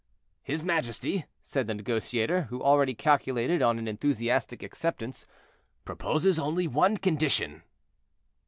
"His majesty," said the negotiator, who already calculated on an enthusiastic acceptance, "proposes only one condition."